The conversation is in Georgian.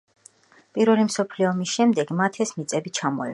პირველი მსოფლიო ომის შემდეგ მათ ეს მიწები ჩამოერთვათ.